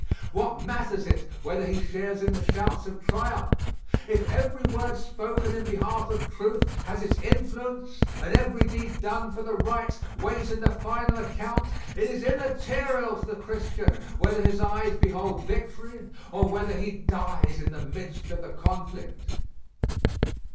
What matters it whether he shares in the shouts of triumph? If every word spoken in behalf of truth has its influence and every deed done for the right weighs in the final account, it is immaterial to the Christian whether his eyes behold victory or whether he dies in the midst of the conflict.